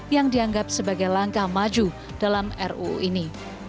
yang dianggap sebagai langkah maju dalam ruu ini